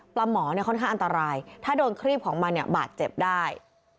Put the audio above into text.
ปลาหมอค่อนข้างอันตรายถ้าโดนครีบของมันบาดเจ็บได้